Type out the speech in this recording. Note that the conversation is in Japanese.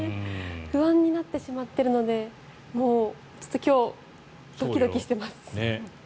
不安になってしまっているのでちょっと今日ドキドキしてます。